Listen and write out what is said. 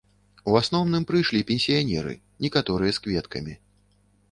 У асноўным прыйшлі пенсіянеры, некаторыя з кветкамі.